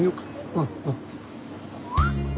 うんうん。